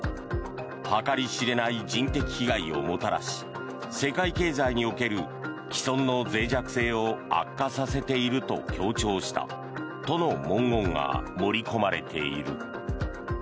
計り知れない人的被害をもたらし世界経済における既存のぜい弱性を悪化させていると強調したとの文言が盛り込まれている。